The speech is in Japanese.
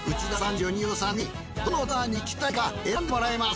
ジョニ男さんにどのツアーに行きたいか選んでもらいます。